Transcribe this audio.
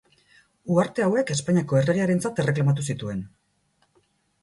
Uharte hauek Espainiako erregearentzat erreklamatu zituen.